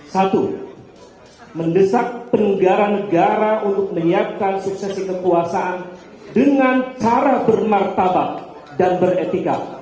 satu mendesak penunggaran negara untuk menyiapkan suksesi kekuasaan dengan cara bermartabat dan beretika